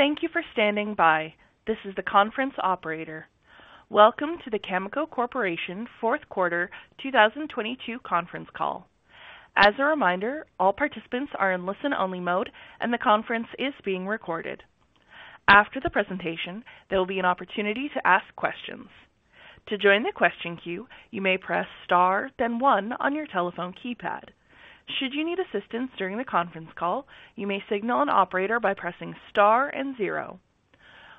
Thank you for standing by. This is the conference operator. Welcome to the Cameco Corporation fourth quarter 2022 conference call. As a reminder, all participants are in listen-only mode, and the conference is being recorded. After the presentation, there will be an opportunity to ask questions. To join the question queue, you may press star then one on your telephone keypad. Should you need assistance during the conference call, you may signal an operator by pressing star and zero.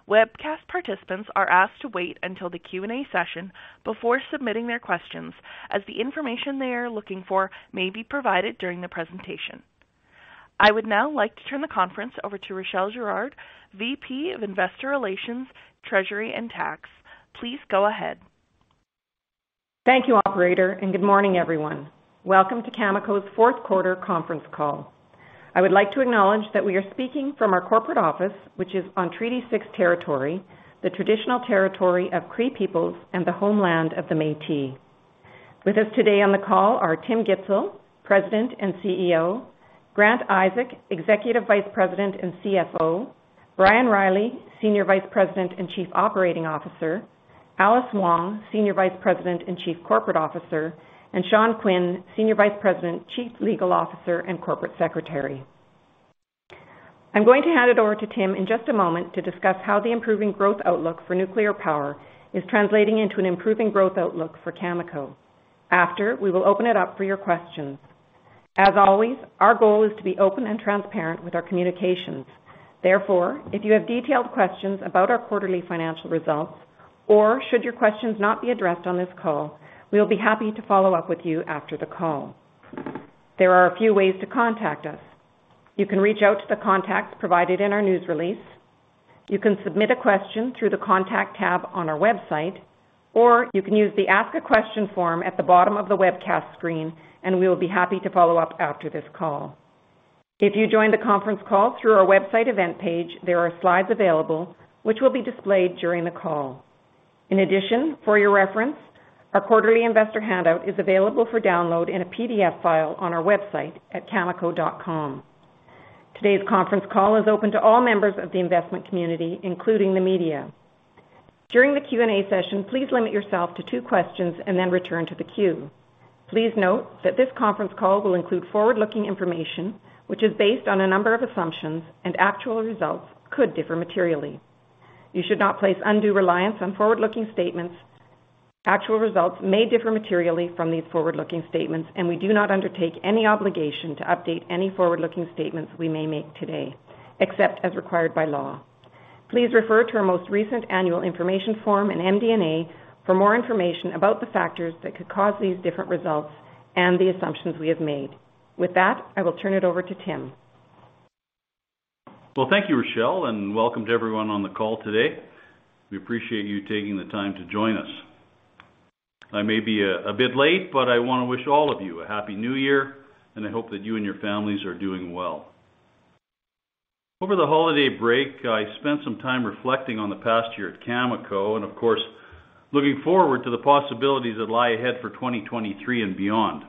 Webcast participants are asked to wait until the Q&A session before submitting their questions, as the information they are looking for may be provided during the presentation. I would now like to turn the conference over to Rachelle Girard, VP of Investor Relations, Treasury, and Tax. Please go ahead. Thank you, operator. Good morning, everyone. Welcome to Cameco's fourth quarter conference call. I would like to acknowledge that we are speaking from our corporate office, which is on Treaty Six territory, the traditional territory of Cree peoples and the homeland of the Métis. With us today on the call are Tim Gitzel, President and CEO. Grant Isaac, Executive Vice President and CFO. Brian Reilly, Senior Vice President and Chief Operating Officer. Alice Wong, Senior Vice President and Chief Corporate Officer. Sean Quinn, Senior Vice President, Chief Legal Officer, and Corporate Secretary. I'm going to hand it over to Tim in just a moment to discuss how the improving growth outlook for nuclear power is translating into an improving growth outlook for Cameco. After, we will open it up for your questions. As always, our goal is to be open and transparent with our communications. If you have detailed questions about our quarterly financial results or should your questions not be addressed on this call, we'll be happy to follow up with you after the call. There are a few ways to contact us. You can reach out to the contacts provided in our news release. You can submit a question through the Contact tab on our website, or you can use the Ask a Question form at the bottom of the webcast screen, and we will be happy to follow up after this call. If you joined the conference call through our website event page, there are slides available which will be displayed during the call. In addition, for your reference, our quarterly investor handout is available for download in a PDF file on our website at cameco.com. Today's conference call is open to all members of the investment community, including the media. During the Q&A session, please limit yourself to two questions and then return to the queue. Please note that this conference call will include forward-looking information, which is based on a number of assumptions, and actual results could differ materially. You should not place undue reliance on forward-looking statements. Actual results may differ materially from these forward-looking statements, and we do not undertake any obligation to update any forward-looking statements we may make today, except as required by law. Please refer to our most recent annual information form and MD&A for more information about the factors that could cause these different results and the assumptions we have made. With that, I will turn it over to Tim. Well, thank you, Rachelle, welcome to everyone on the call today. We appreciate you taking the time to join us. I may be a bit late, I want to wish all of you a happy New Year, I hope that you and your families are doing well. Over the holiday break, I spent some time reflecting on the past year at Cameco, of course looking forward to the possibilities that lie ahead for 2023 and beyond.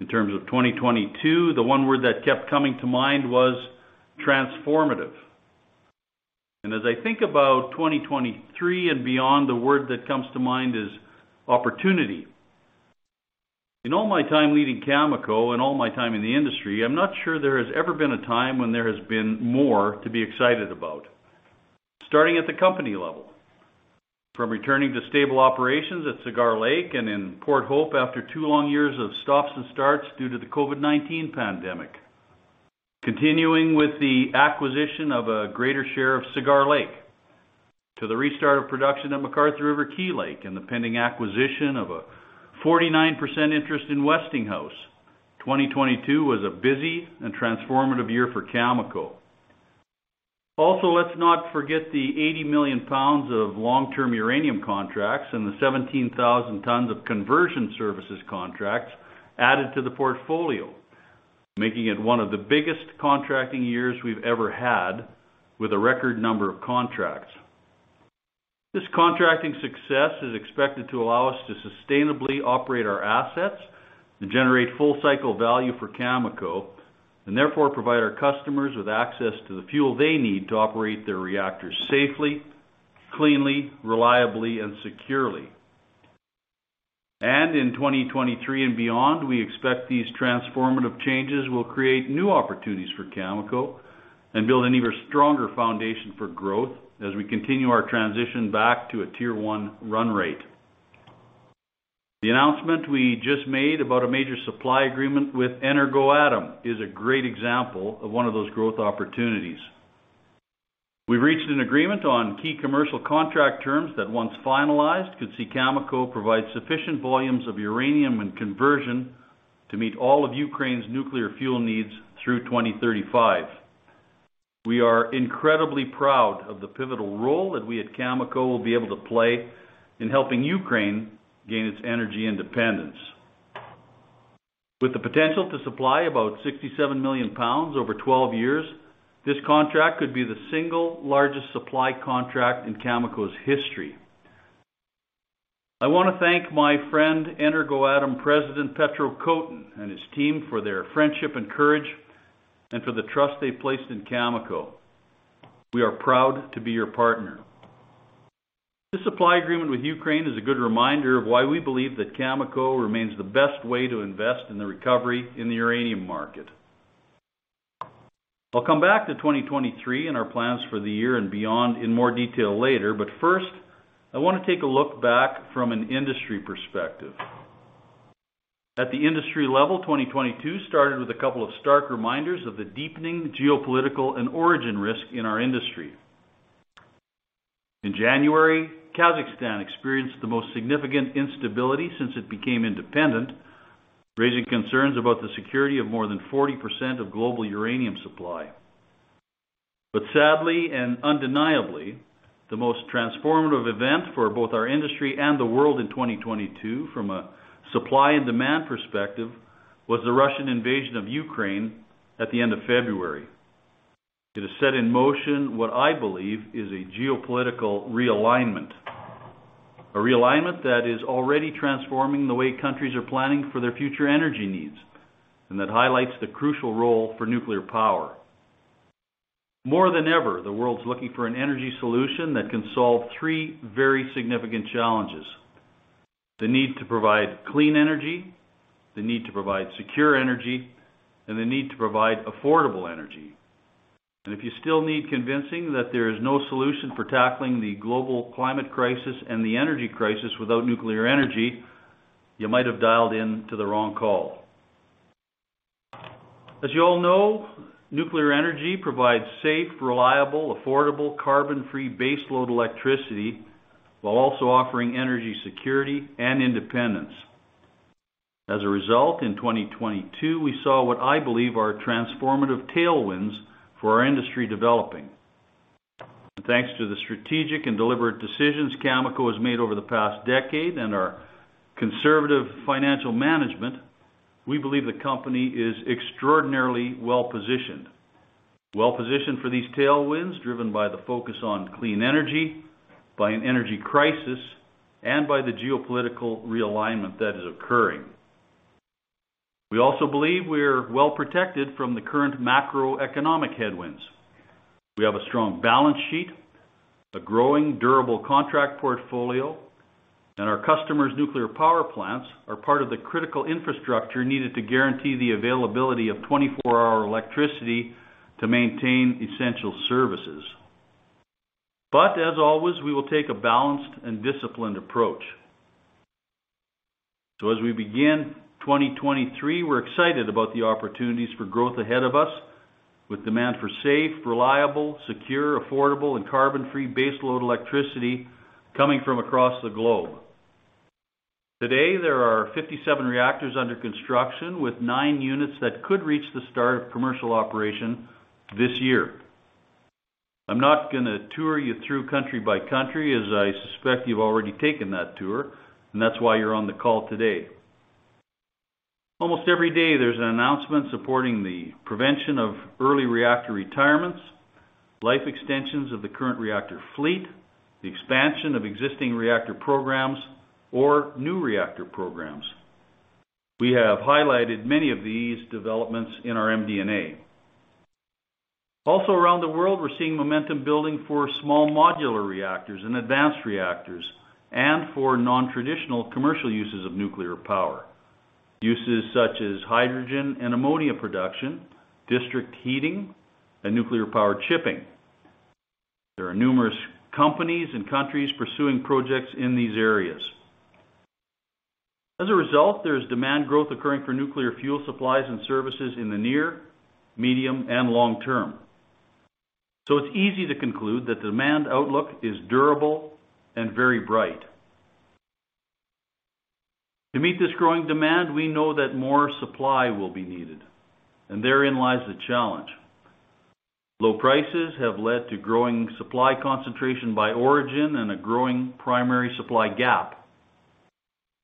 In terms of 2022, the one word that kept coming to mind was transformative. As I think about 2023 and beyond, the word that comes to mind is opportunity. In all my time leading Cameco and all my time in the industry, I'm not sure there has ever been a time when there has been more to be excited about. Starting at the company level, from returning to stable operations at Cigar Lake and in Port Hope after two long years of stops and starts due to the COVID-19 pandemic, continuing with the acquisition of a greater share of Cigar Lake, to the restart of production at McArthur River/Key Lake, and the pending acquisition of a 49% interest in Westinghouse, 2022 was a busy and transformative year for Cameco. Let's not forget the 80 million pounds of long-term uranium contracts and the 17,000 tons of conversion services contracts added to the portfolio, making it one of the biggest contracting years we've ever had with a record number of contracts. This contracting success is expected to allow us to sustainably operate our assets and generate full cycle value for Cameco and therefore provide our customers with access to the fuel they need to operate their reactors safely, cleanly, reliably, and securely. In 2023 and beyond, we expect these transformative changes will create new opportunities for Cameco and build an even stronger foundation for growth as we continue our transition back to a tier one run rate. The announcement we just made about a major supply agreement with Energoatom is a great example of one of those growth opportunities. We've reached an agreement on key commercial contract terms that once finalized could see Cameco provide sufficient volumes of uranium and conversion to meet all of Ukraine's nuclear fuel needs through 2035. We are incredibly proud of the pivotal role that we at Cameco will be able to play in helping Ukraine gain its energy independence. With the potential to supply about 67 million pounds over 12 years, this contract could be the single largest supply contract in Cameco's history. I want to thank my friend, Energoatom President Petro Kotin, and his team for their friendship and courage and for the trust they've placed in Cameco. We are proud to be your partner. This supply agreement with Ukraine is a good reminder of why we believe that Cameco remains the best way to invest in the recovery in the uranium market. I'll come back to 2023 and our plans for the year and beyond in more detail later. First, I wanna take a look back from an industry perspective. At the industry level, 2022 started with a couple of stark reminders of the deepening geopolitical and origin risk in our industry. In January, Kazakhstan experienced the most significant instability since it became independent, raising concerns about the security of more than 40% of global uranium supply. Sadly and undeniably, the most transformative event for both our industry and the world in 2022 from a supply and demand perspective, was the Russian invasion of Ukraine at the end of February. It has set in motion what I believe is a geopolitical realignment, a realignment that is already transforming the way countries are planning for their future energy needs and that highlights the crucial role for nuclear power. More than ever, the world's looking for an energy solution that can solve three very significant challenges: the need to provide clean energy, the need to provide secure energy, and the need to provide affordable energy. If you still need convincing that there is no solution for tackling the global climate crisis and the energy crisis without nuclear energy, you might have dialed in to the wrong call. As you all know, nuclear energy provides safe, reliable, affordable, carbon-free baseload electricity while also offering energy security and independence. As a result, in 2022, we saw what I believe are transformative tailwinds for our industry developing. Thanks to the strategic and deliberate decisions Cameco has made over the past decade and our conservative financial management, we believe the company is extraordinarily well-positioned. Well-positioned for these tailwinds driven by the focus on clean energy by an energy crisis and by the geopolitical realignment that is occurring. We also believe we're well protected from the current macroeconomic headwinds. We have a strong balance sheet, a growing durable contract portfolio, and our customers' nuclear power plants are part of the critical infrastructure needed to guarantee the availability of 24-hour electricity to maintain essential services. As always, we will take a balanced and disciplined approach. As we begin 2023, we're excited about the opportunities for growth ahead of us with demand for safe, reliable, secure, affordable, and carbon-free baseload electricity coming from across the globe. Today, there are 57 reactors under construction with 9 units that could reach the start of commercial operation this year. I'm not gonna tour you through country by country, as I suspect you've already taken that tour, and that's why you're on the call today. Almost every day, there's an announcement supporting the prevention of early reactor retirements, life extensions of the current reactor fleet, the expansion of existing reactor programs or new reactor programs. We have highlighted many of these developments in our MD&A. Also around the world, we're seeing momentum building for small modular reactors and advanced reactors and for non-traditional commercial uses of nuclear power, uses such as hydrogen and ammonia production, district heating, and nuclear-powered shipping. There are numerous companies and countries pursuing projects in these areas. As a result, there's demand growth occurring for nuclear fuel supplies and services in the near, medium, and long term. It's easy to conclude the demand outlook is durable and very bright. To meet this growing demand, we know that more supply will be needed. Therein lies the challenge. Low prices have led to growing supply concentration by origin and a growing primary supply gap.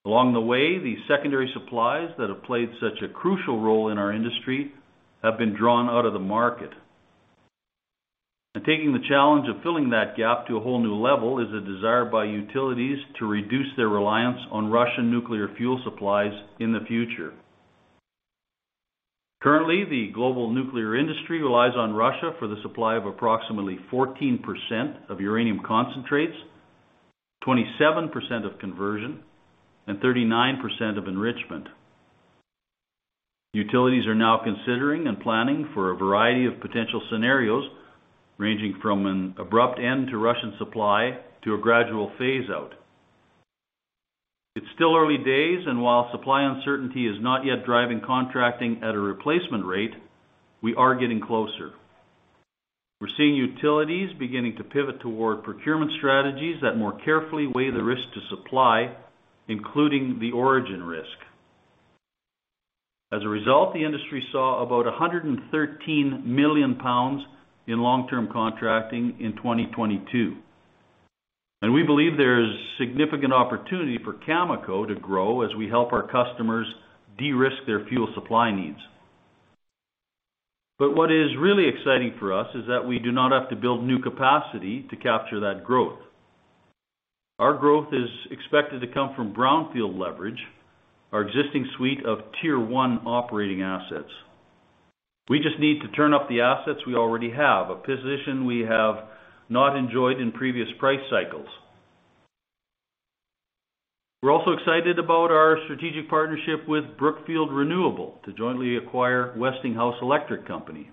Along the way, the secondary supplies that have played such a crucial role in our industry have been drawn out of the market. Taking the challenge of filling that gap to a whole new level is a desire by utilities to reduce their reliance on Russian nuclear fuel supplies in the future. Currently, the global nuclear industry relies on Russia for the supply of approximately 14% of uranium concentrates, 27% of conversion, and 39% of enrichment. Utilities are now considering and planning for a variety of potential scenarios, ranging from an abrupt end to Russian supply to a gradual phase out. It's still early days, and while supply uncertainty is not yet driving contracting at a replacement rate, we are getting closer. We're seeing utilities beginning to pivot toward procurement strategies that more carefully weigh the risk to supply, including the origin risk. As a result, the industry saw about 113 million pounds in long-term contracting in 2022, and we believe there is significant opportunity for Cameco to grow as we help our customers de-risk their fuel supply needs. What is really exciting for us is that we do not have to build new capacity to capture that growth. Our growth is expected to come from brownfield leverage, our existing suite of tier one operating assets. We just need to turn up the assets we already have, a position we have not enjoyed in previous price cycles. We're also excited about our strategic partnership with Brookfield Renewable to jointly acquire Westinghouse Electric Company.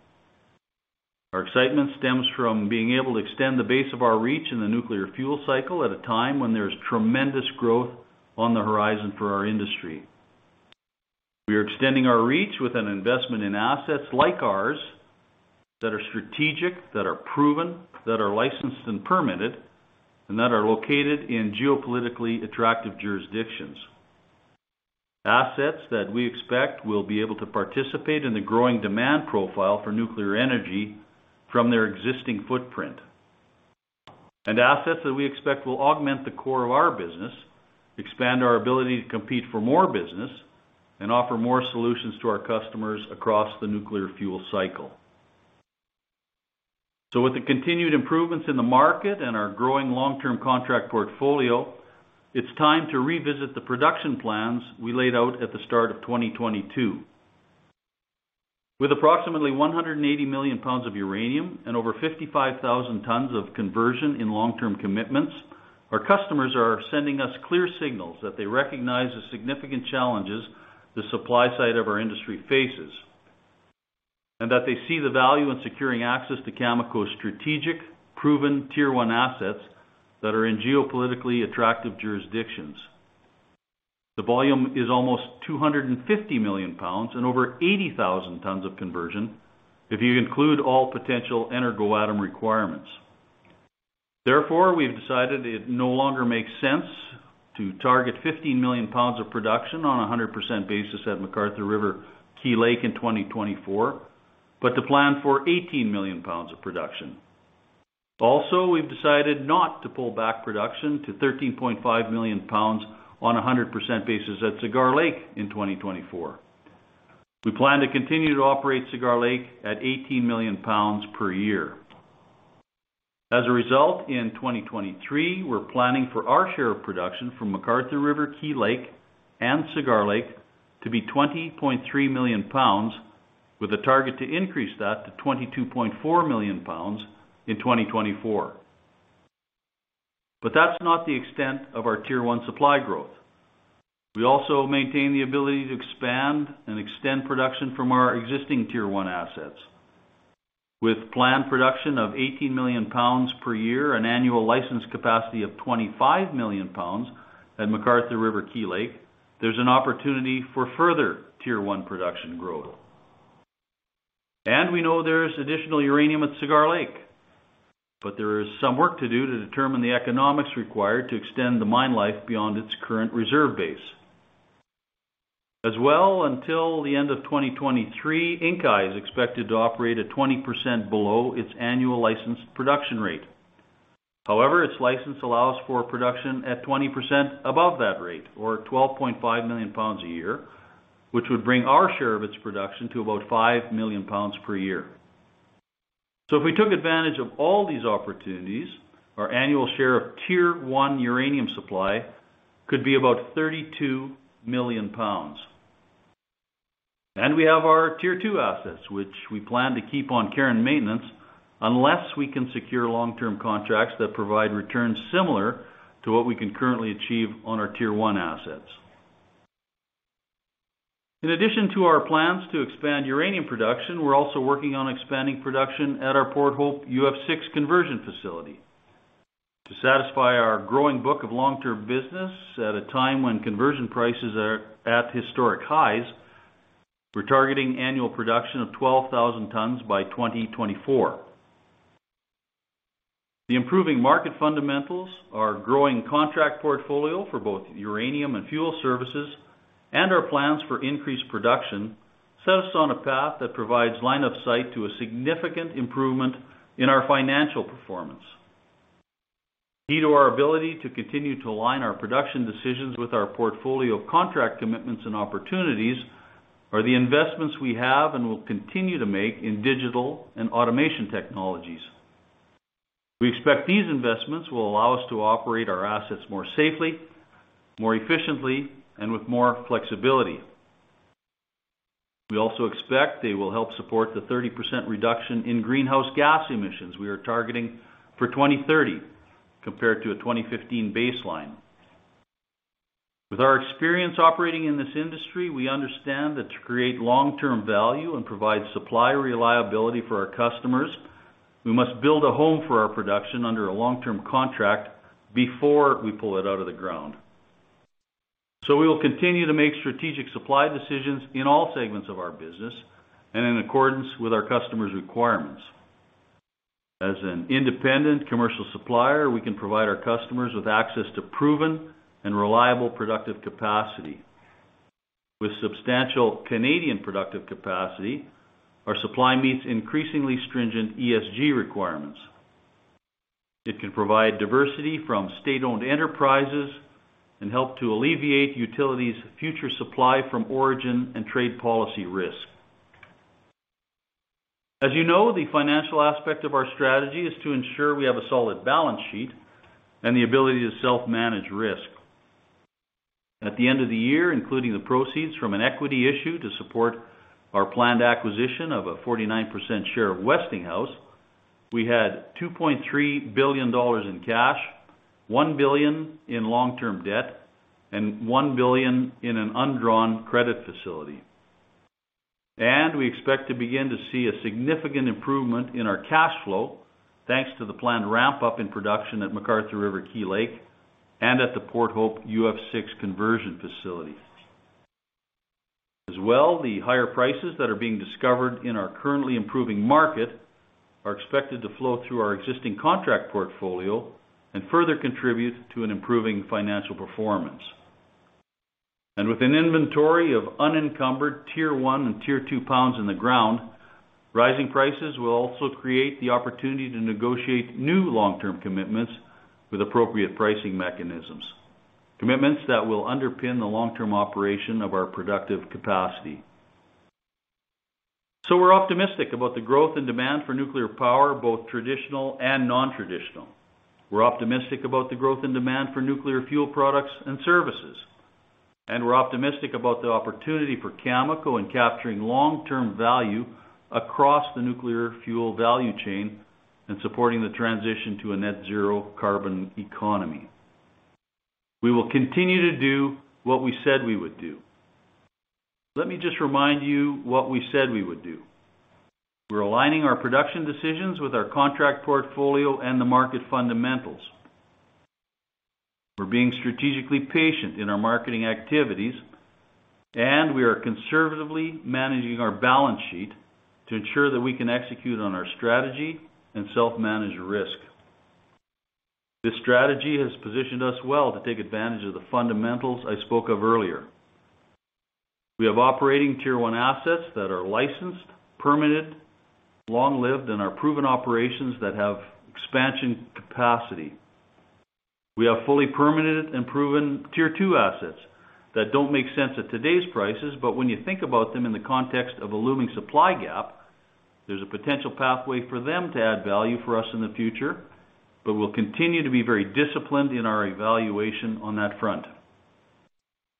Our excitement stems from being able to extend the base of our reach in the nuclear fuel cycle at a time when there's tremendous growth on the horizon for our industry. We are extending our reach with an investment in assets like ours that are strategic, that are proven, that are licensed and permitted, and that are located in geopolitically attractive jurisdictions. Assets that we expect will be able to participate in the growing demand profile for nuclear energy from their existing footprint. Assets that we expect will augment the core of our business, expand our ability to compete for more business, and offer more solutions to our customers across the nuclear fuel cycle. With the continued improvements in the market and our growing long-term contract portfolio, it's time to revisit the production plans we laid out at the start of 2022. With approximately 180 million pounds of uranium and over 55,000 tons of conversion in long-term commitments, our customers are sending us clear signals that they recognize the significant challenges the supply side of our industry faces, and that they see the value in securing access to Cameco's strategic, proven tier one assets that are in geopolitically attractive jurisdictions. The volume is almost 250 million pounds and over 80,000 tons of conversion if you include all potential Energoatom requirements. Therefore, we've decided it no longer makes sense to target 15 million pounds of production on a 100% basis at McArthur River/Key Lake in 2024, but to plan for 18 million pounds of production. Also, we've decided not to pull back production to 13.5 million pounds on a 100% basis at Cigar Lake in 2024. We plan to continue to operate Cigar Lake at 18 million pounds per year. As a result, in 2023, we're planning for our share of production from McArthur River/Key Lake and Cigar Lake to be 20.3 million pounds, with a target to increase that to 22.4 million pounds in 2024. That's not the extent of our tier one supply growth. We also maintain the ability to expand and extend production from our existing tier one assets. With planned production of 18 million pounds per year and annual license capacity of 25 million pounds at McArthur River/Key Lake, there's an opportunity for further tier one production growth. We know there is additional uranium at Cigar Lake, but there is some work to do to determine the economics required to extend the mine life beyond its current reserve base. Until the end of 2023, Inkai is expected to operate at 20% below its annual licensed production rate. Its license allows for production at 20% above that rate or 12.5 million pounds a year, which would bring our share of its production to about 5 million pounds per year. If we took advantage of all these opportunities, our annual share of tier one uranium supply could be about 32 million pounds. We have our tier two assets, which we plan to keep on care and maintenance, unless we can secure long-term contracts that provide returns similar to what we can currently achieve on our tier one assets. In addition to our plans to expand uranium production, we're also working on expanding production at our Port Hope UF6 conversion facility. To satisfy our growing book of long-term business at a time when conversion prices are at historic highs, we're targeting annual production of 12,000 tons by 2024. The improving market fundamentals are growing contract portfolio for both uranium and fuel services, and our plans for increased production set us on a path that provides line of sight to a significant improvement in our financial performance. Key to our ability to continue to align our production decisions with our portfolio of contract commitments and opportunities are the investments we have and will continue to make in digital and automation technologies. We expect these investments will allow us to operate our assets more safely, more efficiently, and with more flexibility. We also expect they will help support the 30% reduction in greenhouse gas emissions we are targeting for 2030 compared to a 2015 baseline. With our experience operating in this industry, we understand that to create long-term value and provide supply reliability for our customers, we must build a home for our production under a long-term contract before we pull it out of the ground. We will continue to make strategic supply decisions in all segments of our business and in accordance with our customers' requirements. As an independent commercial supplier, we can provide our customers with access to proven and reliable productive capacity. With substantial Canadian productive capacity, our supply meets increasingly stringent ESG requirements. It can provide diversity from state-owned enterprises and help to alleviate utilities' future supply from origin and trade policy risk. As you know, the financial aspect of our strategy is to ensure we have a solid balance sheet and the ability to self-manage risk. At the end of the year, including the proceeds from an equity issue to support our planned acquisition of a 49% share of Westinghouse, we had 2.3 billion dollars in cash, 1 billion in long-term debt, and 1 billion in an undrawn credit facility. We expect to begin to see a significant improvement in our cash flow thanks to the planned ramp-up in production at McArthur River/Key Lake and at the Port Hope UF6 conversion facility. As well, the higher prices that are being discovered in our currently improving market are expected to flow through our existing contract portfolio and further contribute to an improving financial performance. With an inventory of unencumbered tier one and tier two pounds in the ground, rising prices will also create the opportunity to negotiate new long-term commitments with appropriate pricing mechanisms, commitments that will underpin the long-term operation of our productive capacity. We're optimistic about the growth and demand for nuclear power, both traditional and non-traditional. We're optimistic about the growth and demand for nuclear fuel products and services. We're optimistic about the opportunity for Cameco in capturing long-term value across the nuclear fuel value chain and supporting the transition to a net zero carbon economy. We will continue to do what we said we would do. Let me just remind you what we said we would do. We're aligning our production decisions with our contract portfolio and the market fundamentals. We're being strategically patient in our marketing activities, and we are conservatively managing our balance sheet to ensure that we can execute on our strategy and self-manage risk. This strategy has positioned us well to take advantage of the fundamentals I spoke of earlier. We have operating tier one assets that are licensed, permitted, long-lived, and are proven operations that have expansion capacity. We have fully permitted and proven tier two assets that don't make sense at today's prices. When you think about them in the context of a looming supply gap, there's a potential pathway for them to add value for us in the future, but we'll continue to be very disciplined in our evaluation on that front.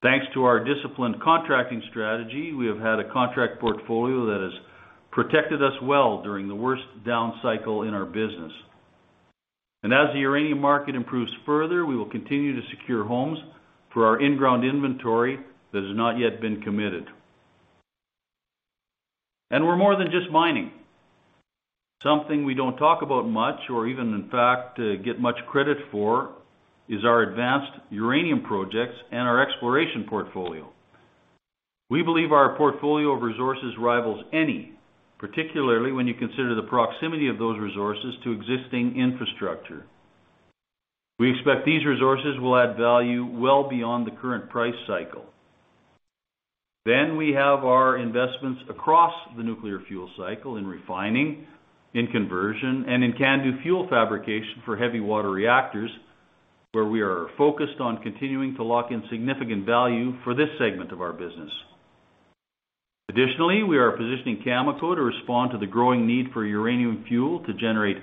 Thanks to our disciplined contracting strategy, we have had a contract portfolio that has protected us well during the worst down cycle in our business. As the uranium market improves further, we will continue to secure homes for our in-ground inventory that has not yet been committed. We're more than just mining. Something we don't talk about much or even in fact, get much credit for is our advanced uranium projects and our exploration portfolio. We believe our portfolio of resources rivals any, particularly when you consider the proximity of those resources to existing infrastructure. We have our investments across the nuclear fuel cycle in refining, in conversion, and in CANDU fuel fabrication for heavy water reactors, where we are focused on continuing to lock in significant value for this segment of our business. Additionally, we are positioning Cameco to respond to the growing need for uranium fuel to generate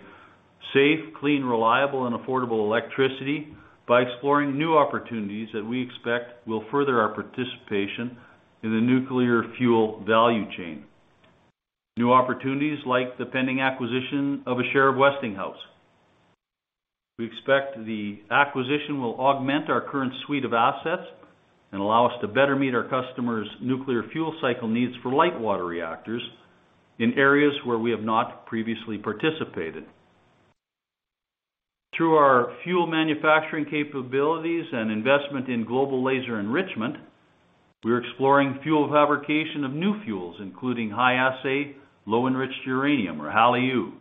safe, clean, reliable, and affordable electricity by exploring new opportunities that we expect will further our participation in the nuclear fuel value chain. New opportunities like the pending acquisition of a share of Westinghouse. We expect the acquisition will augment our current suite of assets and allow us to better meet our customers' nuclear fuel cycle needs for light water reactors in areas where we have not previously participated. Through our fuel manufacturing capabilities and investment in Global Laser Enrichment, we are exploring fuel fabrication of new fuels, including high-assay low-enriched uranium or HALEU.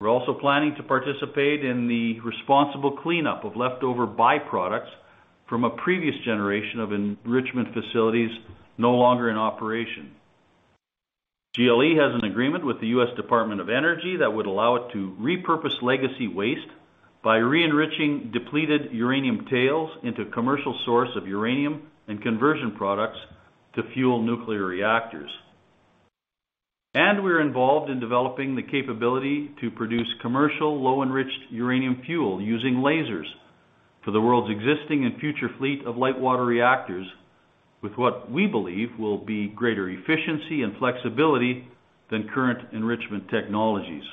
We're also planning to participate in the responsible cleanup of leftover byproducts from a previous generation of enrichment facilities no longer in operation. GLE has an agreement with the U.S. Department of Energy that would allow it to repurpose legacy waste by re-enriching depleted uranium tails into commercial source of uranium and conversion products to fuel nuclear reactors. We're involved in developing the capability to produce commercial low enriched uranium fuel using lasers for the world's existing and future fleet of light water reactors with what we believe will be greater efficiency and flexibility than current enrichment technologies.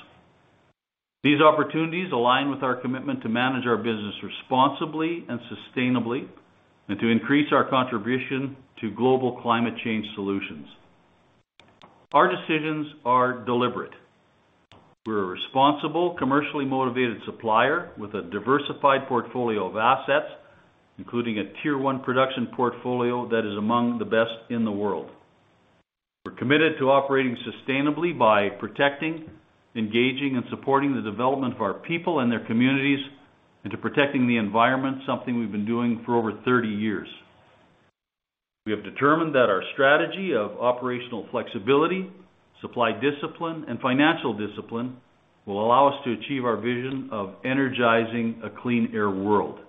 These opportunities align with our commitment to manage our business responsibly and sustainably, and to increase our contribution to global climate change solutions. Our decisions are deliberate. We're a responsible, commercially motivated supplier with a diversified portfolio of assets, including a Tier One production portfolio that is among the best in the world. We're committed to operating sustainably by protecting, engaging, and supporting the development of our people and their communities, and to protecting the environment, something we've been doing for over 30 years. We have determined that our strategy of operational flexibility, supply discipline, and financial discipline will allow us to achieve our vision of energizing a clean air world.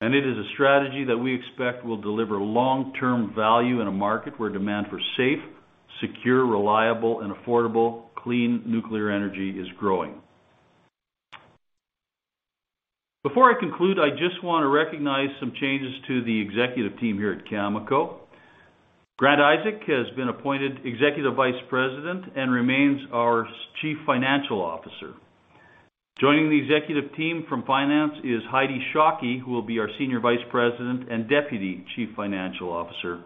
It is a strategy that we expect will deliver long-term value in a market where demand for safe, secure, reliable and affordable clean nuclear energy is growing. Before I conclude, I just want to recognize some changes to the executive team here at Cameco. Grant Isaac has been appointed Executive Vice President and remains our Chief Financial Officer. Joining the executive team from finance is Heidi Shockey, who will be our Senior Vice President and Deputy Chief Financial Officer.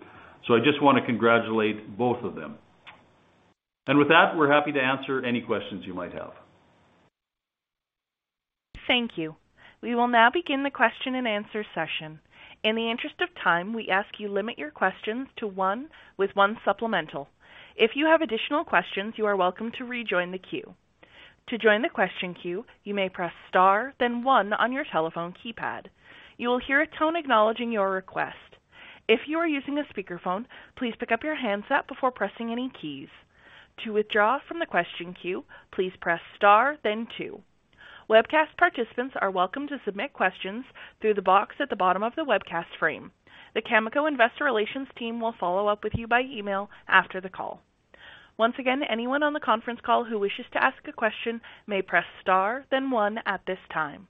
I just want to congratulate both of them. With that, we're happy to answer any questions you might have. Thank you. We will now begin the question-and-answer session. In the interest of time, we ask you limit your questions to one with one supplemental. If you have additional questions, you are welcome to rejoin the queue. To join the question queue, you may press star then one on your telephone keypad. You will hear a tone acknowledging your request. If you are using a speakerphone, please pick up your handset before pressing any keys. To withdraw from the question queue, please press star then two. Webcast participants are welcome to submit questions through the box at the bottom of the webcast frame. The Cameco investor relations team will follow up with you by email after the call. Once again, anyone on the conference call who wishes to ask a question may press star then one at this time.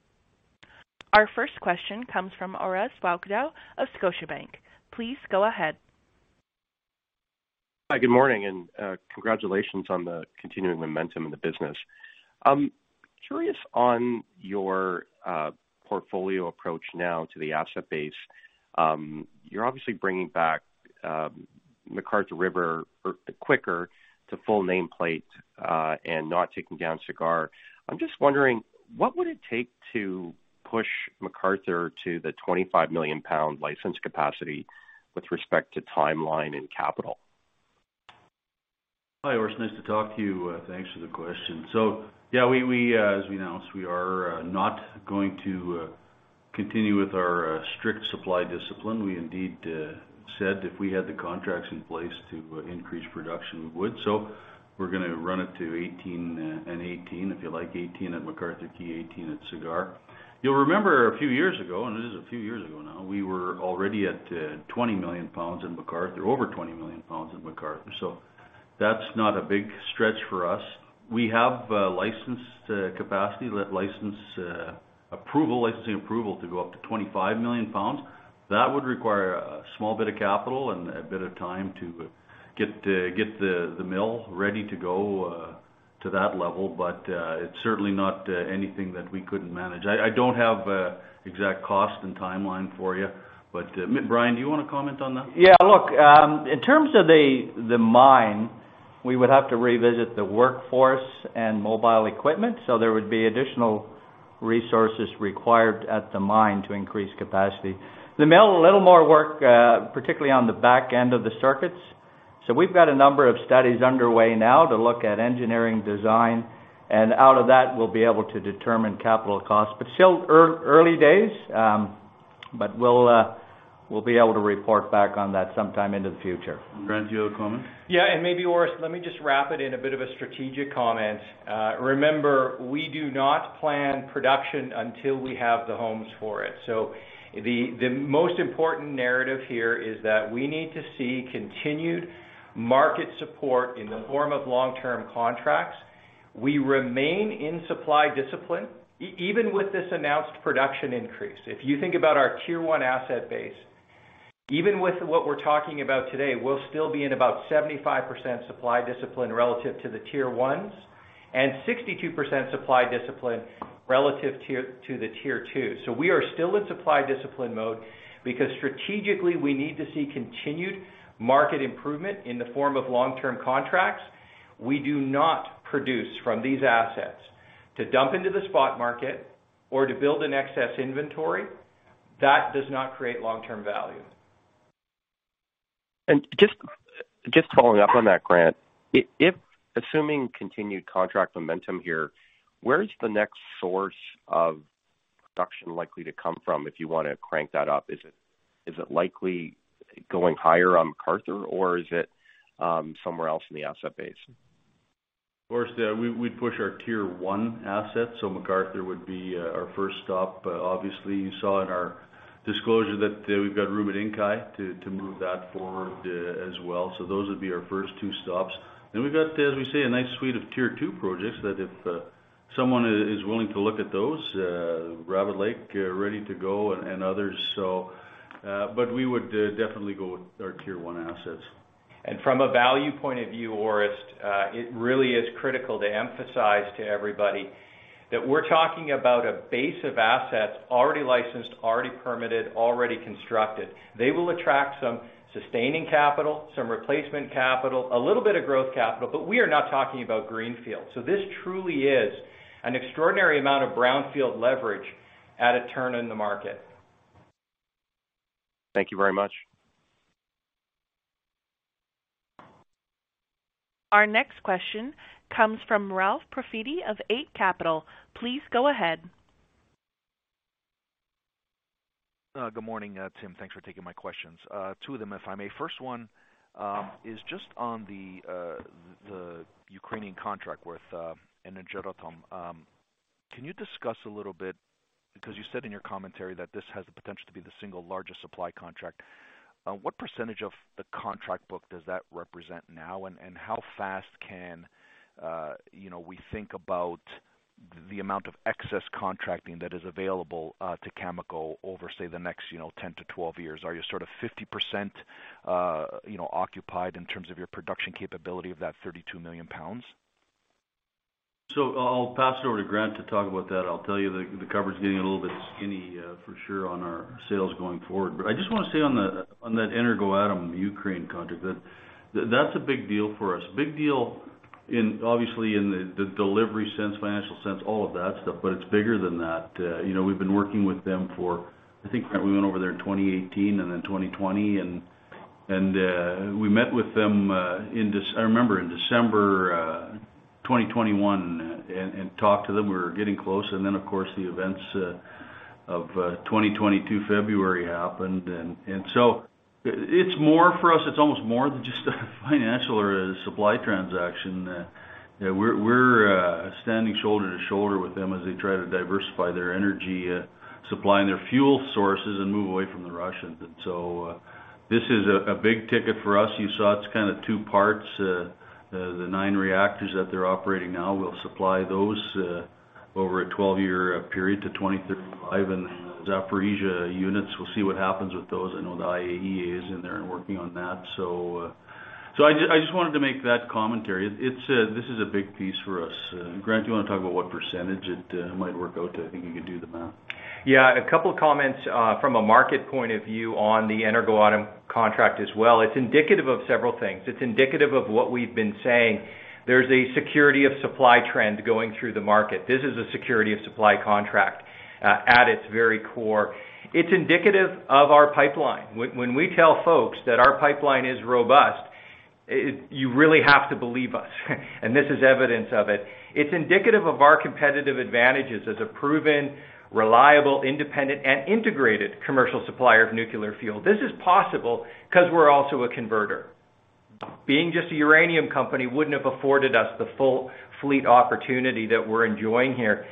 Our first question comes from Orest Wowkodaw of Scotiabank. Please go ahead. Hi, good morning, congratulations on the continuing momentum in the business. I'm curious on your portfolio approach now to the asset base. You're obviously bringing back McArthur River or quicker to full nameplate, and not taking down Cigar. I'm just wondering, what would it take to push McArthur to the 25 million pound license capacity with respect to timeline and capital? Hi, Orest. Nice to talk to you. Thanks for the question. Yeah, we, as we announced, we are not going to continue with our strict supply discipline. We indeed said if we had the contracts in place to increase production, we would. We're gonna run it to 18 and 18, if you like, 18 at McArthur, key 18 at Cigar. You'll remember a few years ago, and it is a few years ago now, we were already at 20 million pounds in McArthur, over 20 million pounds in McArthur. That's not a big stretch for us. We have licensing approval to go up to 25 million pounds. That would require a small bit of capital and a bit of time to get the mill ready to go to that level. It's certainly not, anything that we couldn't manage. I don't have, exact cost and timeline for you, but, Brian, do you want to comment on that? Yeah, look, in terms of the mine, we would have to revisit the workforce and mobile equipment, so there would be additional resources required at the mine to increase capacity. The mill, a little more work, particularly on the back end of the circuits. We've got a number of studies underway now to look at engineering design, and out of that, we'll be able to determine capital costs, but still early days. We'll be able to report back on that sometime into the future. Grant, do you have a comment? Maybe Orest, let me just wrap it in a bit of a strategic comment. Remember, we do not plan production until we have the homes for it. The, the most important narrative here is that we need to see continued market support in the form of long-term contracts. We remain in supply discipline even with this announced production increase. If you think about our tier one asset base, even with what we're talking about today, we'll still be in about 75% supply discipline relative to the tier ones and 62% supply discipline relative to the tier two. We are still in supply discipline mode because strategically, we need to see continued market improvement in the form of long-term contracts. We do not produce from these assets to dump into the spot market or to build an excess inventory that does not create long-term value. Just following up on that, Grant, if assuming continued contract momentum here, where is the next source of production likely to come from if you want to crank that up? Is it likely going higher on McArthur or is it somewhere else in the asset base? Orest, we'd push our tier one asset, so McArthur would be our first stop. Obviously, you saw in our disclosure that we've got room at Inkai to move that forward as well. Those would be our first two stops. We've got, as we say, a nice suite of tier two projects that if someone is willing to look at those, Rabbit Lake ready to go and others. We would definitely go with our tier one assets. From a value point of view, Orest, it really is critical to emphasize to everybody that we're talking about a base of assets already licensed, already permitted, already constructed. They will attract some sustaining capital, some replacement capital, a little bit of growth capital, but we are not talking about greenfield. This truly is an extraordinary amount of brownfield leverage at a turn in the market. Thank you very much. Our next question comes from Ralph Profiti of Eight Capital. Please go ahead. Good morning, Tim, thanks for taking my questions. Two of them, if I may. First one is just on the Ukrainian contract with Energoatom. Can you discuss a little bit Because you said in your commentary that this has the potential to be the single largest supply contract. What percentage of the contract book does that represent now? How fast can, you know, we think about the amount of excess contracting that is available to Cameco over, say, the next, you know, 10-12 years? Are you sort of 50%, you know, occupied in terms of your production capability of that 32 million pounds? I'll pass it over to Grant to talk about that. I'll tell you the coverage is getting a little bit skinny, for sure on our sales going forward. I just want to say on the, on that Energoatom Ukraine contract that's a big deal for us. Big deal in obviously in the delivery sense, financial sense, all of that stuff, but it's bigger than that. you know, we've been working with them for, I think, Grant, we went over there in 2018 and then 2020 and we met with them, I remember in December, 2021 and talked to them, we were getting close. Of course, the events of 2022 February happened. It's more for us, it's almost more than just a financial or a supply transaction. We're standing shoulder to shoulder with them as they try to diversify their energy supply and their fuel sources and move away from the Russians. This is a big ticket for us. You saw it's kind of two parts. The nine reactors that they're operating now, we'll supply those over a 12-year period to 2035. Zaporizhzhia units, we'll see what happens with those. I know the IAEA is in there and working on that. I just wanted to make that commentary. This is a big piece for us. Grant, do you want to talk about what percentage it might work out to? I think you could do the math. A couple of comments from a market point of view on the Energoatom contract as well. It's indicative of several things. It's indicative of what we've been saying. There's a security of supply trend going through the market. This is a security of supply contract at its very core. It's indicative of our pipeline. When we tell folks that our pipeline is robust, you really have to believe us, and this is evidence of it. It's indicative of our competitive advantages as a proven, reliable, independent, and integrated commercial supplier of nuclear fuel. This is possible because we're also a converter. Being just a uranium company wouldn't have afforded us the full fleet opportunity that we're enjoying here.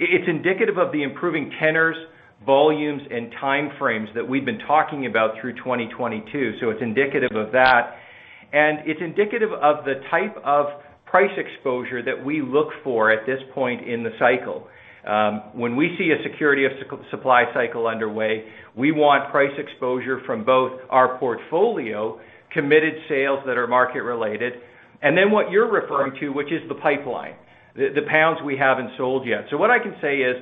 It's indicative of the improving tenors, volumes, and time frames that we've been talking about through 2022. It's indicative of that. It's indicative of the type of price exposure that we look for at this point in the cycle. When we see a security of supply cycle underway, we want price exposure from both our portfolio, committed sales that are market related, and then what you're referring to, which is the pipeline, the pounds we haven't sold yet. What I can say is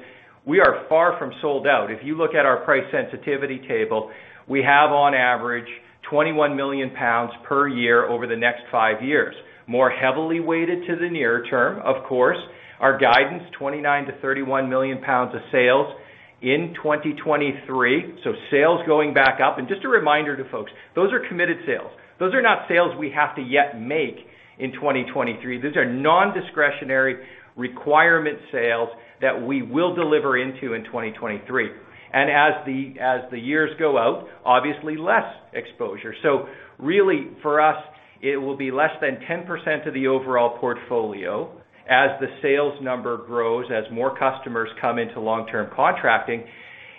we are far from sold out. If you look at our price sensitivity table, we have on average 21 million pounds per year over the next five years, more heavily weighted to the near term. Of course, our guidance, 29 million-31 million pounds of sales in 2023, so sales going back up. Just a reminder to folks, those are committed sales. Those are not sales we have to yet make in 2023. These are non-discretionary requirement sales that we will deliver into in 2023. As the years go out, obviously less exposure. Really for us, it will be less than 10% of the overall portfolio as the sales number grows, as more customers come into long-term contracting.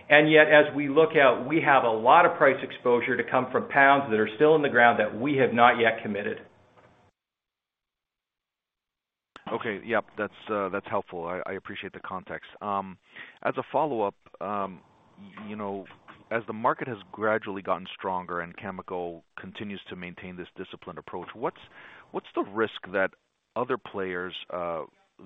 Yet as we look out, we have a lot of price exposure to come from pounds that are still in the ground that we have not yet committed. Okay. Yep. That's, that's helpful. I appreciate the context. As a follow-up, you know, as the market has gradually gotten stronger and Cameco continues to maintain this disciplined approach, what's the risk that other players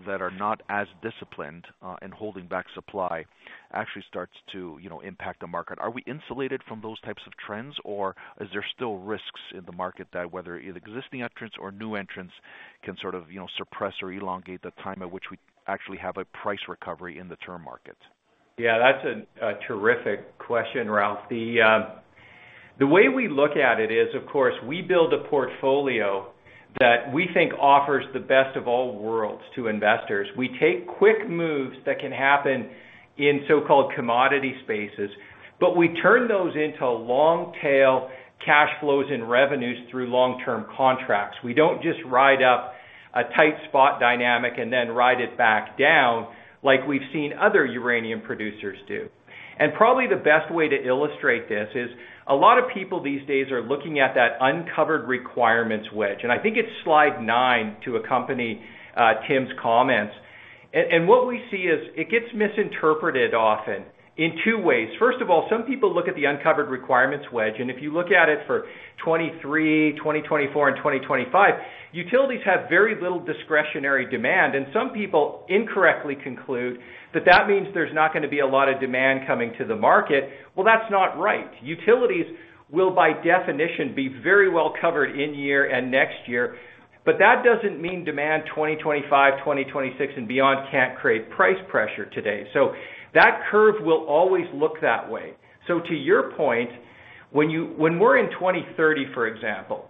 that are not as disciplined in holding back supply actually starts to, you know, impact the market? Are we insulated from those types of trends, or is there still risks in the market that whether either existing entrants or new entrants can sort of, you know, suppress or elongate the time at which we actually have a price recovery in the term market? Yeah. That's a terrific question, Ralph. The way we look at it is, of course, we build a portfolio that we think offers the best of all worlds to investors. We take quick moves that can happen in so-called commodity spaces, but we turn those into long-tail cash flows and revenues through long-term contracts. We don't just ride up a tight spot dynamic and then ride it back down like we've seen other uranium producers do. Probably the best way to illustrate this is a lot of people these days are looking at that uncovered requirements wedge, and I think it's slide nine to accompany Tim's comments. What we see is it gets misinterpreted often in two ways. First of all, some people look at the uncovered requirements wedge. If you look at it for 2023, 2024, and 2025, utilities have very little discretionary demand. Some people incorrectly conclude that that means there's not gonna be a lot of demand coming to the market. Well, that's not right. Utilities will by definition be very well covered in year and next year. That doesn't mean demand 2025, 2026 and beyond can't create price pressure today. That curve will always look that way. To your point, when we're in 2030, for example,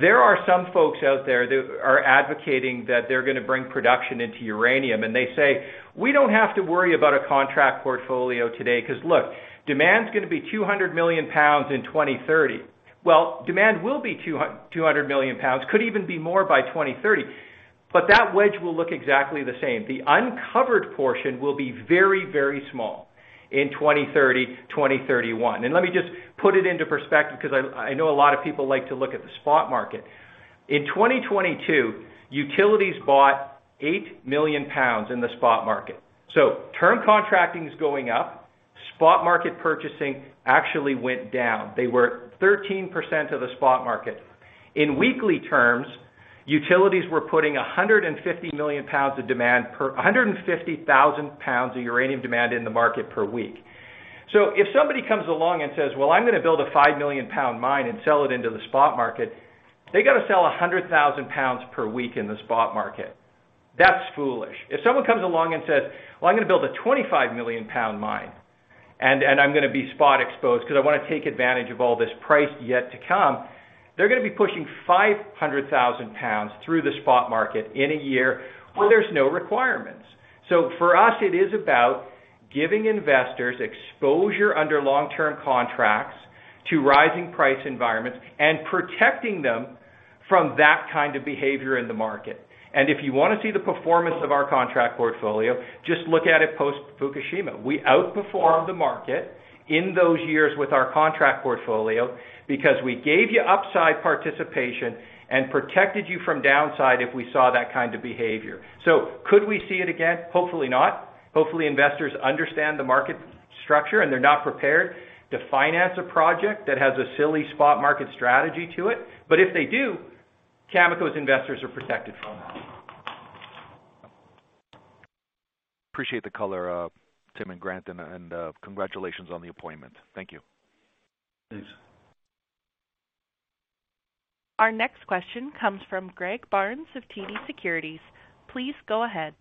there are some folks out there that are advocating that they're gonna bring production into uranium, and they say, "We don't have to worry about a contract portfolio today because, look, demand's gonna be 200 million pounds in 2030." Demand will be 200 million pounds, could even be more by 2030, but that wedge will look exactly the same. The uncovered portion will be very, very small in 2030, 2031. Let me just put it into perspective because I know a lot of people like to look at the spot market. In 2022, utilities bought 8 million pounds in the spot market. Term contracting is going up. Spot market purchasing actually went down. They were 13% of the spot market. In weekly terms, utilities were putting 150 million pounds of demand per 150,000 pounds of uranium demand in the market per week. If somebody comes along and says, "Well, I'm gonna build a 5 million pound mine and sell it into the spot market," they got to sell 100,000 pounds per week in the spot market. That's foolish. If someone comes along and says, "Well, I'm gonna build a 25 million pound mine, and I'm gonna be spot exposed 'cause I wanna take advantage of all this price yet to come," they're gonna be pushing 500,000 pounds through the spot market in a year where there's no requirements. For us, it is about giving investors exposure under long-term contracts to rising price environments and protecting them from that kind of behavior in the market. If you wanna see the performance of our contract portfolio, just look at it post-Fukushima. We outperformed the market in those years with our contract portfolio because we gave you upside participation and protected you from downside if we saw that kind of behavior. Could we see it again? Hopefully not. Hopefully, investors understand the market structure, and they're not prepared to finance a project that has a silly spot market strategy to it. If they do, Cameco's investors are protected from that. Appreciate the color, Tim and Grant, and congratulations on the appointment. Thank you. Thanks. Our next question comes from Greg Barnes of TD Securities. Please go ahead.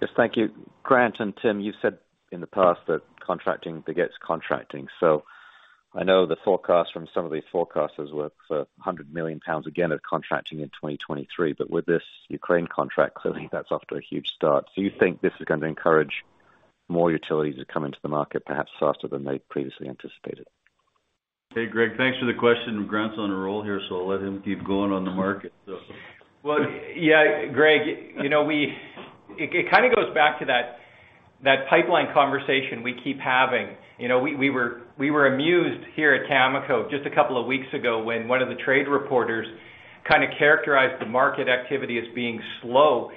Yes, thank you. Grant and Tim, you said in the past that contracting begets contracting. I know the forecast from some of these forecasters were for 100 million pounds again of contracting in 2023, but with this Ukraine contract, clearly that's off to a huge start. Do you think this is going to encourage more utilities to come into the market perhaps faster than they previously anticipated? Hey, Greg. Thanks for the question. Grant's on a roll here, I'll let him keep going on the market. Well, yeah, Greg, you know, it kind of goes back to that pipeline conversation we keep having. You know, we were amused here at Cameco just a couple of weeks ago when one of the trade reporters kind of characterized the market activity as being slow.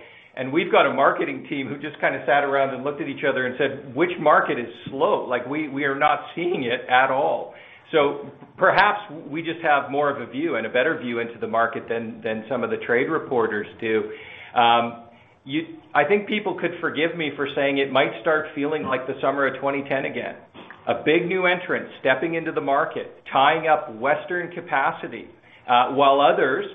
We've got a marketing team who just kind of sat around and looked at each other and said, "Which market is slow? Like, we are not seeing it at all." Perhaps we just have more of a view and a better view into the market than some of the trade reporters do. I think people could forgive me for saying it might start feeling like the summer of 2010 again. A big new entrant stepping into the market, tying up Western capacity, while others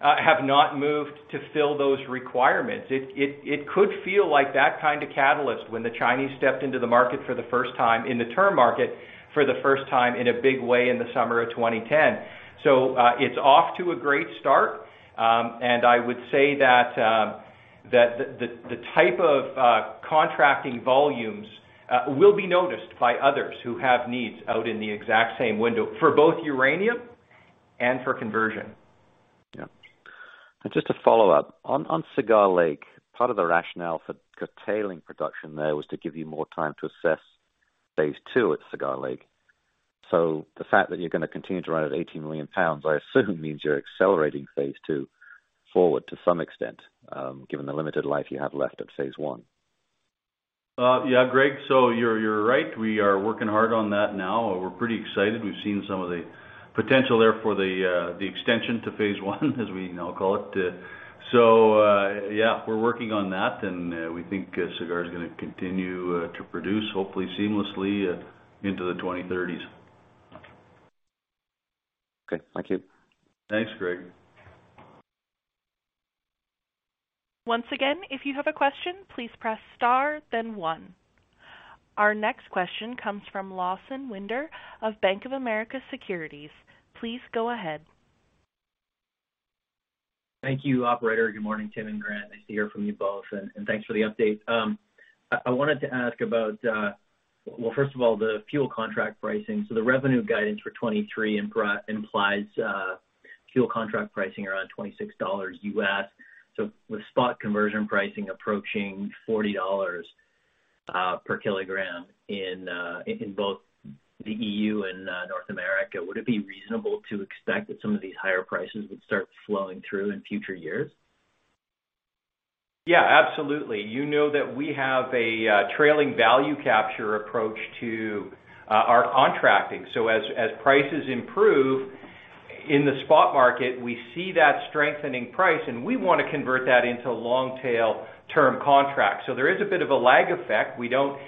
have not moved to fill those requirements. It could feel like that kind of catalyst when the Chinese stepped into the market for the first time in the term market for the first time in a big way in the summer of 2010. It's off to a great start. I would say that the type of contracting volumes will be noticed by others who have needs out in the exact same window for both uranium and for conversion. Yeah. just to follow up. On Cigar Lake, part of the rationale for curtailing production there was to give you more time to assess phase two at Cigar Lake. The fact that you're gonna continue to run at 18 million pounds, I assume, means you're accelerating phase two forward to some extent, given the limited life you have left at phase one. Yeah, Greg, so you're right. We are working hard on that now. We're pretty excited. We've seen some of the potential there for the extension to phase one as we now call it. Yeah, we're working on that, and we think Cigar is gonna continue to produce hopefully seamlessly into the 2030s. Okay. Thank you. Thanks, Greg. Once again, if you have a question, please press star then one. Our next question comes from Lawson Winder of Bank of America Securities. Please go ahead. Thank you, operator. Good morning, Tim and Grant. Nice to hear from you both, and thanks for the update. I wanted to ask about, well, first of all, the fuel contract pricing. The revenue guidance for 2023 implies fuel contract pricing around $26. With spot conversion pricing approaching $40 per kilogram in both the EU and North America, would it be reasonable to expect that some of these higher prices would start flowing through in future years? Yeah, absolutely. You know that we have a trailing value capture approach to our contracting. As prices improve. In the spot market, we see that strengthening price, and we want to convert that into long tail term contracts. There is a bit of a lag effect. We don't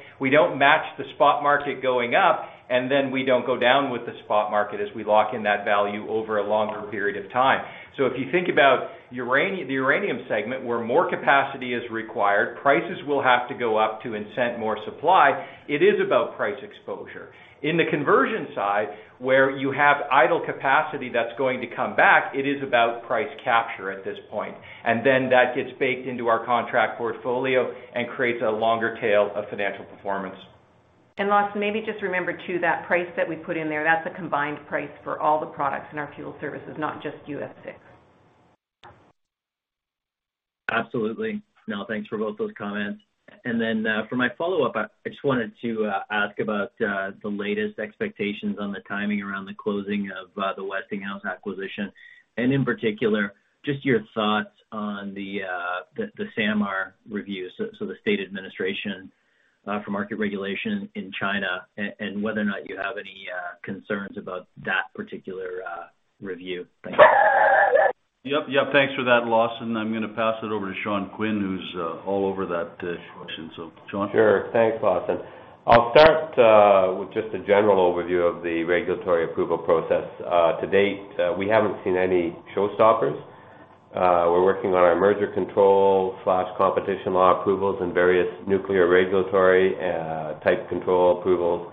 match the spot market going up, and then we don't go down with the spot market as we lock in that value over a longer period of time. If you think about the uranium segment, where more capacity is required, prices will have to go up to incent more supply. It is about price exposure. In the conversion side, where you have idle capacity that's going back, it is about price capture at this point. That gets baked into our contract portfolio and creates a longer tail of financial performance. Last, maybe just remember too, that price that we put in there, that's a combined price for all the products in our fuel services, not just UF6. Absolutely. No, thanks for both those comments. For my follow-up, I just wanted to ask about the latest expectations on the timing around the closing of the Westinghouse acquisition. In particular, just your thoughts on the SAMR review, the State Administration for Market Regulation in China, and whether or not you have any concerns about that particular review. Thank you. Yep. Yep. Thanks for that, Lawson. I'm gonna pass it over to Sean Quinn, who's all over that question. Sean. Sure. Thanks, Lawson. I'll start with just a general overview of the regulatory approval process. To date, we haven't seen any show stoppers. We're working on our merger control/competition law approvals and various nuclear regulatory type control approvals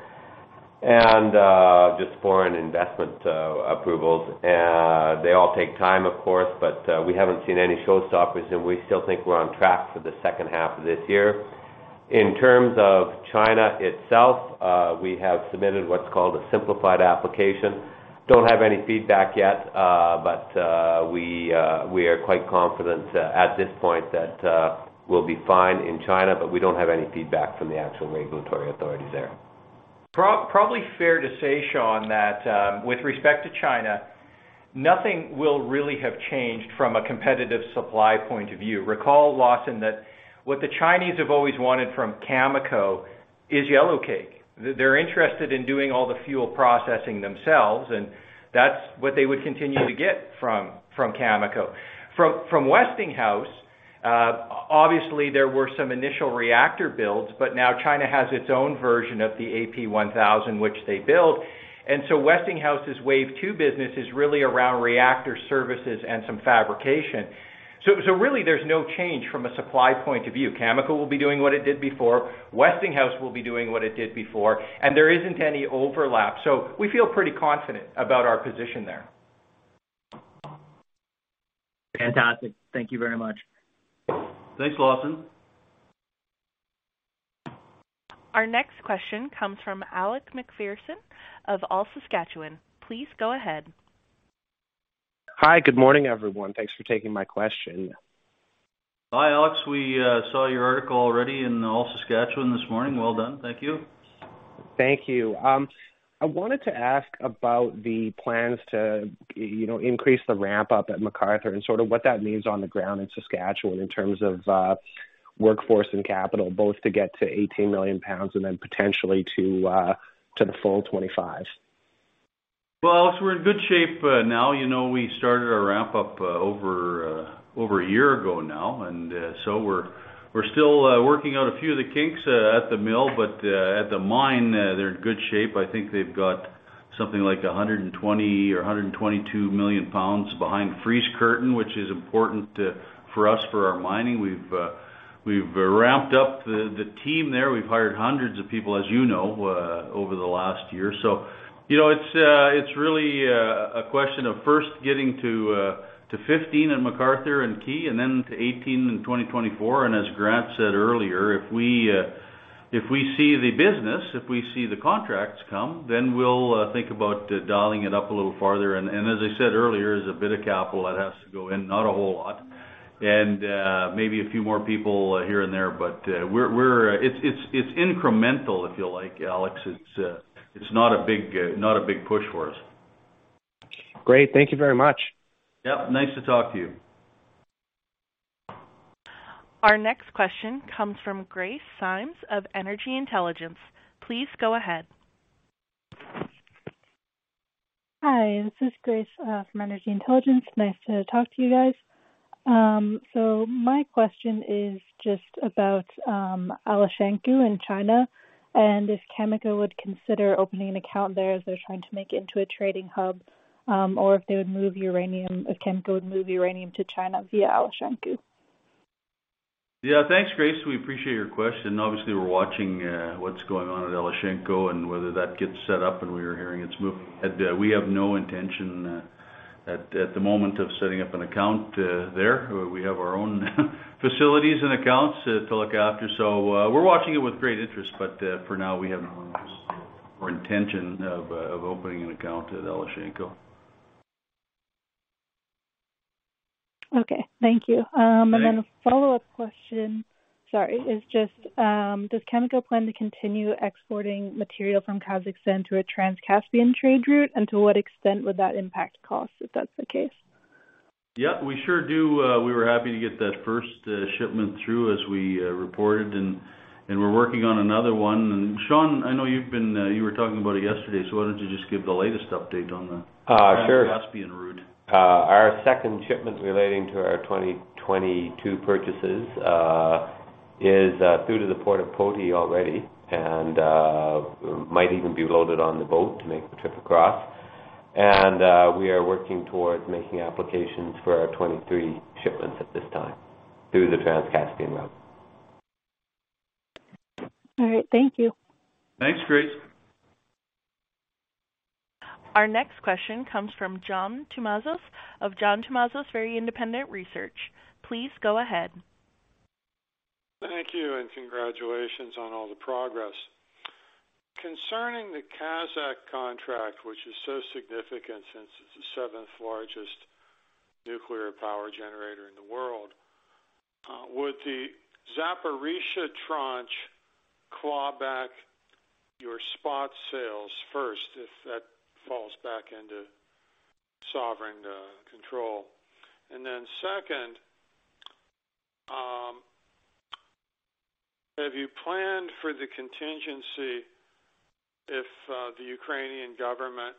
and just foreign investment approvals. They all take time, of course, but we haven't seen any show stoppers, and we still think we're on track for the second half of this year. In terms of China itself, we have submitted what's called a simplified application. Don't have any feedback yet. We are quite confident at this point that we'll be fine in China. We don't have any feedback from the actual regulatory authorities there. Probably fair to say, Sean, that with respect to China, nothing will really have changed from a competitive supply point of view. Recall, Lawson, that what the Chinese have always wanted from Cameco is yellowcake. They're interested in doing all the fuel processing themselves, and that's what they would continue to get from Cameco. From Westinghouse, obviously, there were some initial reactor builds, but now China has its own version of the AP1000, which they build. Westinghouse's Wave Two business is really around reactor services and some fabrication. Really there's no change from a supply point of view. Cameco will be doing what it did before. Westinghouse will be doing what it did before, and there isn't any overlap. We feel pretty confident about our position there. Fantastic. Thank you very much. Thanks, Lawson. Our next question comes from Alex MacPherson of allSaskatchewan. Please go ahead. Hi. Good morning, everyone. Thanks for taking my question. Hi, Alex. We saw your article already in allSaskatchewan this morning. Well done. Thank you. Thank you. I wanted to ask about the plans to, you know, increase the ramp up at McArthur and sort of what that means on the ground in Saskatchewan in terms of workforce and capital, both to get to 18 million pounds and then potentially to the full 25. We're in good shape, now. You know, we started our ramp up, over a year ago now. We're still working out a few of the kinks at the mill. At the mine, they're in good shape. I think they've got something like 120 million or 122 million pounds behind freeze curtain, which is important for us for our mining. We've ramped up the team there. We've hired hundreds of people, as you know, over the last year. You know, it's really a question of first getting to 15 in McArthur and Key and then to 18 in 2024. As Grant said earlier, if we, if we see the business, if we see the contracts come, then we'll think about dialing it up a little farther. As I said earlier, there's a bit of capital that has to go in, not a whole lot. Maybe a few more people here and there. It's incremental if you like, Alex. It's not a big, not a big push for us. Great. Thank you very much. Yep. Nice to talk to you. Our next question comes from Grace Symes of Energy Intelligence. Please go ahead. Hi, this is Grace, from Energy Intelligence. Nice to talk to you guys. My question is just about Alashankou in China and if Cameco would consider opening an account there as they're trying to make it into a trading hub, or if they would move uranium, if Cameco would move uranium to China via. Thanks, Grace. We appreciate your question. Obviously, we're watching, what's going on at Alashankou and whether that gets set up, and we are hearing it's moving. We have no intention at the moment of setting up an account, there. We have our own facilities and accounts to look after. We're watching it with great interest, but, for now, we have no intention of opening an account at Alashankou. Okay, thank you. A follow-up question, sorry, is just, does Cameco plan to continue exporting material from Kazakhstan through a trans-Caspian trade route? To what extent would that impact costs, if that's the case? Yeah, we sure do. We were happy to get that first shipment through as we reported, and we're working on another one. Sean, I know you've been, you were talking about it yesterday, why don't you just give the latest update. sure. Trans-Caspian route. Our second shipment relating to our 2022 purchases, is through to the Port of Poti already and might even be loaded on the boat to make the trip across. We are working towards making applications for our 23 shipments at this time through the Trans-Caspian route. All right. Thank you. Thanks, Grace. Our next question comes from John Tumazos of John Tumazos Very Independent Research. Please go ahead. Thank you, and congratulations on all the progress. Concerning the Kazakh contract, which is so significant since it's the seventh-largest nuclear power generator in the world, would the Zaporizhzhia tranche claw back your spot sales first if that falls back into sovereign control? Second, have you planned for the contingency if the Ukrainian government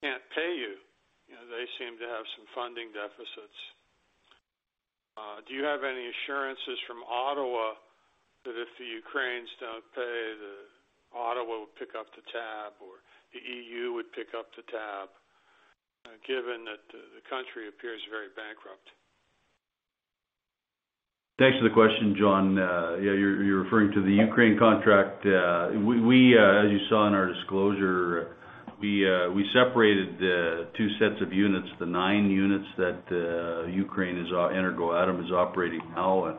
can't pay you? You know, they seem to have some funding deficits. Do you have any assurances from Ottawa that if the Ukrainians don't pay, that Ottawa would pick up the tab or the EU would pick up the tab, given that the country appears very bankrupt? Thanks for the question, John. Yeah, you're referring to the Ukraine contract. As you saw in our disclosure, we separated the two sets of units, the nine units that Ukraine is, Energoatom is operating now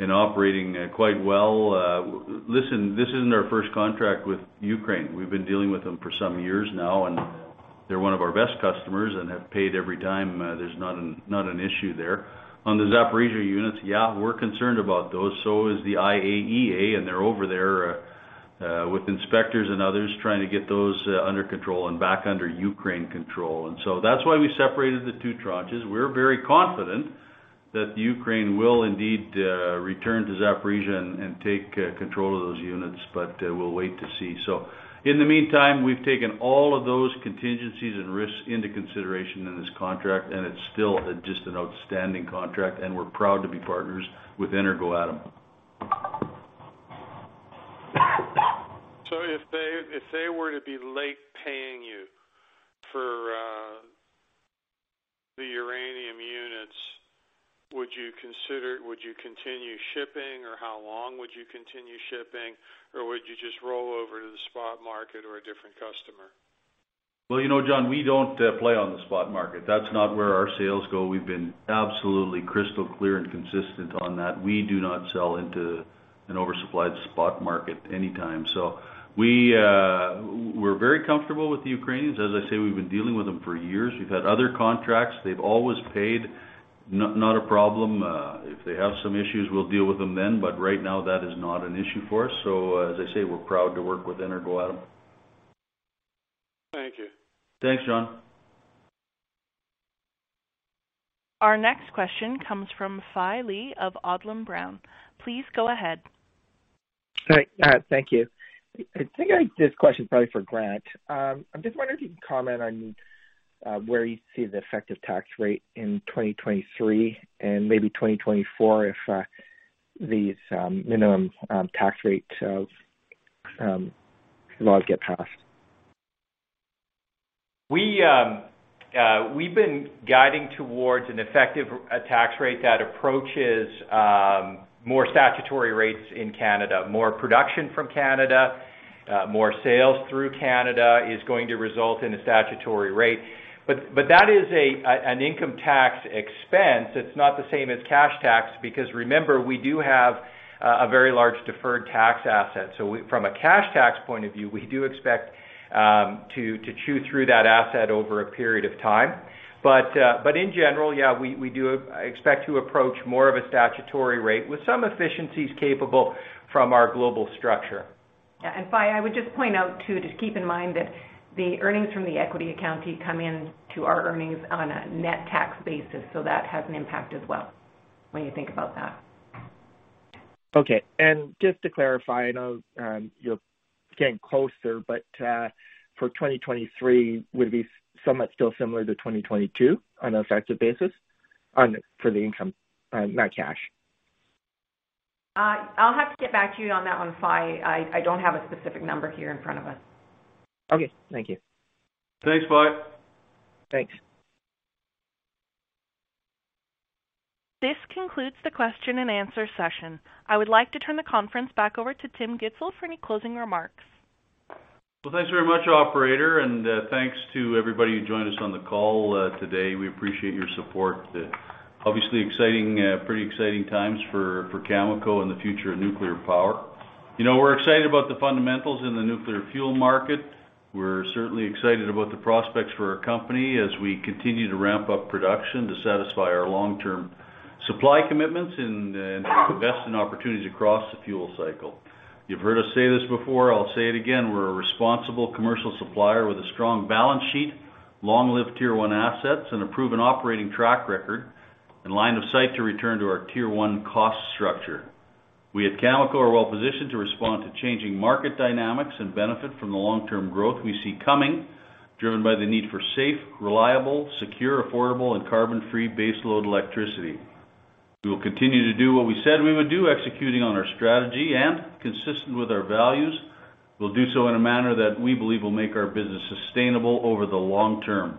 and operating quite well. Listen, this isn't our first contract with Ukraine. We've been dealing with them for some years now, and they're one of our best customers and have paid every time. There's not an issue there. On the Zaporizhzhia units, yeah, we're concerned about those. The IAEA, and they're over there with inspectors and others trying to get those under control and back under Ukraine control. That's why we separated the two tranches. We're very confident that Ukraine will indeed return to Zaporizhzhia and take control of those units. We'll wait to see. In the meantime, we've taken all of those contingencies and risks into consideration in this contract. It's still a just and outstanding contract. We're proud to be partners with Energoatom. If they were to be late paying you for the uranium units, would you continue shipping, or how long would you continue shipping, or would you just roll over to the spot market or a different customer? Well, you know, John, we don't play on the spot market. That's not where our sales go. We've been absolutely crystal clear and consistent on that. We do not sell into an oversupplied spot market anytime. We're very comfortable with the Ukrainians. As I say, we've been dealing with them for years. We've had other contracts. They've always paid. Not a problem. If they have some issues, we'll deal with them then. Right now, that is not an issue for us. As I say, we're proud to work with Energoatom. Thank you. Thanks, John. Our next question comes from Fai Lee of Odlum Brown. Please go ahead. All right. Thank you. I think This question is probably for Grant. I'm just wondering if you can comment on where you see the effective tax rate in 2023 and maybe 2024 if these minimum tax rate laws get passed. We've been guiding towards an effective tax rate that approaches more statutory rates in Canada. More production from Canada, more sales through Canada is going to result in a statutory rate. That is an income tax expense. It's not the same as cash tax because remember, we do have a very large deferred tax asset. From a cash tax point of view, we do expect to chew through that asset over a period of time. In general, yeah, we do expect to approach more of a statutory rate with some efficiencies capable from our global structure. Yeah. Fai, I would just point out, too, just keep in mind that the earnings from the equity account fee come in to our earnings on a net tax basis. That has an impact as well when you think about that. Okay. Just to clarify, I know, you're getting closer, but, for 2023, would it be somewhat still similar to 2022 on a effective basis for the income, not cash? I'll have to get back to you on that one, Fai. I don't have a specific number here in front of us. Okay. Thank you. Thanks, Fai. Thanks. This concludes the question and answer session. I would like to turn the conference back over to Tim Gitzel for any closing remarks. Well, thanks very much, operator. Thanks to everybody who joined us on the call today. We appreciate your support. Obviously exciting, pretty exciting times for Cameco and the future of nuclear power. You know, we're excited about the fundamentals in the nuclear fuel market. We're certainly excited about the prospects for our company as we continue to ramp up production to satisfy our long-term supply commitments and invest in opportunities across the fuel cycle. You've heard us say this before, I'll say it again, we're a responsible commercial supplier with a strong balance sheet, long-lived tier one assets and a proven operating track record and line of sight to return to our tier one cost structure. We at Cameco are well positioned to respond to changing market dynamics and benefit from the long-term growth we see coming, driven by the need for safe, reliable, secure, affordable, and carbon-free baseload electricity. We will continue to do what we said we would do, executing on our strategy and consistent with our values. We'll do so in a manner that we believe will make our business sustainable over the long term.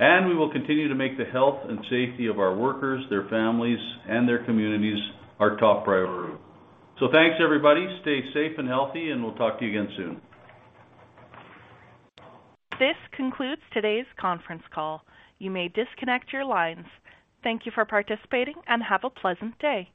And we will continue to make the health and safety of our workers, their families, and their communities our top priority. Thanks, everybody. Stay safe and healthy, and we'll talk to you again soon. This concludes today's conference call. You may disconnect your lines. Thank you for participating and have a pleasant day.